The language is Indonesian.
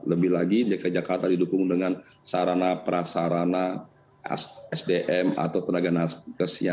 lebih lagi dki jakarta didukung dengan sarana prasarana sdm atau tenaga narkotik yang cukup banyak